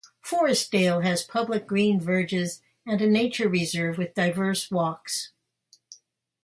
Forestdale has public green verges and a nature reserve with diverse walks.